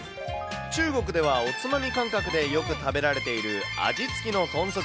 中国ではおつまみ感覚でよく食べられている味付きの豚足。